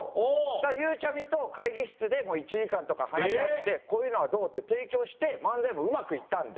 だからゆうちゃみと会議室で１時間とか話し合ってこういうのはどう？って提供して漫才もうまくいったんで。